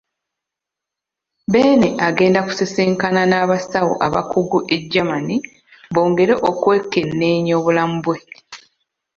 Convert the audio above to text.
Beene agenda kusisinkana n'abasawo abakugu e Germany bongere okwekenneenya obulamu bwe.